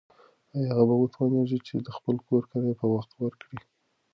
ایا هغه به وتوانیږي چې د خپل کور کرایه په وخت ورکړي؟